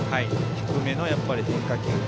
低めの変化球。